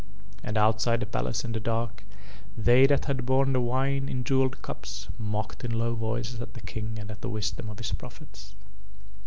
And outside the palace in the dark they that had borne the wine in jewelled cups mocked in low voices at the King and at the wisdom of his prophets.